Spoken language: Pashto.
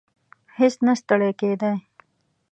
هیڅ نه ستړی کېدی.